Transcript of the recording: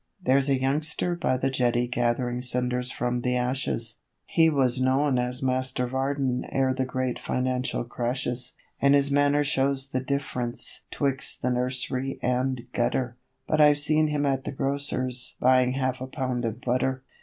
There's a youngster by the jetty gathering cinders from the ashes, He was known as 'Master Varden' ere the great financial crashes. And his manner shows the dif'rence 'twixt the nurs'ry and gutter But I've seen him at the grocer's buying half a pound of butter.